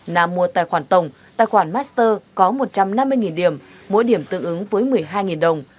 nam mua tài khoản tổng tài khoản master có một trăm năm mươi điểm mỗi điểm tương ứng với một mươi hai đồng